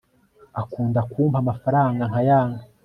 akunda kumpa amafaranga nkayanga